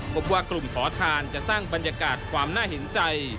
พบว่ากลุ่มขอทานจะสร้างบรรยากาศความน่าเห็นใจ